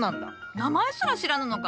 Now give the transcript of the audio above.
名前すら知らぬのか？